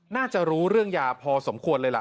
น่าจะรู้เรื่องยาพอสมควรเลยล่ะ